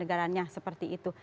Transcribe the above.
keluarga negaranya seperti itu